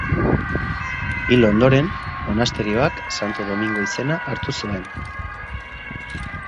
Hil ondoren, monasterioak Santo Domingo izena hartu zuen.